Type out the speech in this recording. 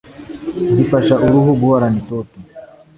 gifasha uruhu guhorana itoto